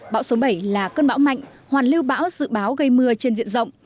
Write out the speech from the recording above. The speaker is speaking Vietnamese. bão số bảy là cơn bão mạnh hoàn lưu bão dự báo gây mưa trên diện rộng